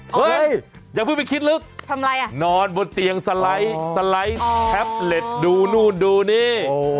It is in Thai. เฮ่ยอย่าเพิ่งไปคิดลึกนอนบนเตียงสไลด์สไลด์แท็บเล็ตดูนู่นดูนี่โอ้